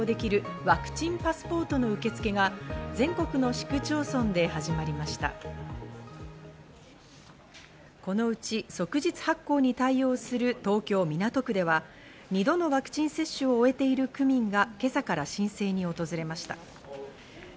このうち即日発行に対応する東京・港区では２度のワクチン接種を終えている区民が今朝から申請に訪れました。